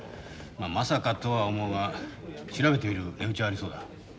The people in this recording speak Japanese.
まさかとは思うが調べてみる値打ちはありそうだ。